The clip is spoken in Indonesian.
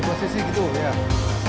posisi gitu ya